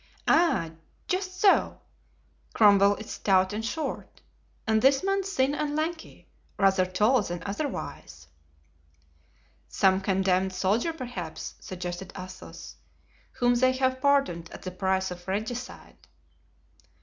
"Ah! just so. Cromwell is stout and short, and this man thin and lanky, rather tall than otherwise." "Some condemned soldier, perhaps," suggested Athos, "whom they have pardoned at the price of regicide."